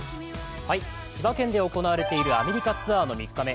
千葉県で行われているアメリカツアーの３日目。